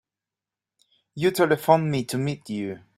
You telephoned me to meet you.